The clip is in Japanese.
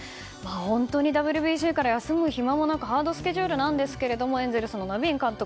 本当にＷＢＣから休む暇もなくハードスケジュールなんですがエンゼルスのネビン監督